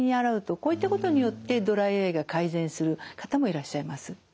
こういったことによってドライアイが改善する方もいらっしゃいます。